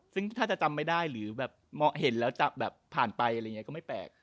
ซึ่งถ้าจะจำไม่ได้หรือเห็นแล้วจับผ่านไปก็ไม่แปลก